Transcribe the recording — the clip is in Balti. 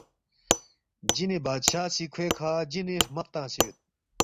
جِنی بادشاہ سی کھوے کھہ جِنی ہرمق تنگسے یود